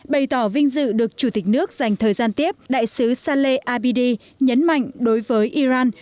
bày tỏ vinh dự được chủ tịch nước dành thời gian tiếp đại sứ sale abidi nhấn mạnh đối với iran